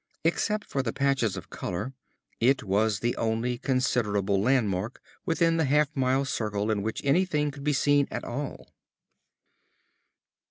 Except for the patches of color, it was the only considerable landmark within the half mile circle in which anything could be seen at all.